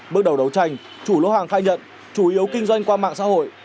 bước đầu đấu tranh chủ lô hàng khai nhận chủ yếu kinh doanh qua mạng xã hội